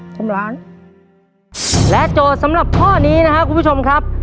ชมร้านและโจทย์สำหรับข้อนี้นะครับคุณผู้ชมครับ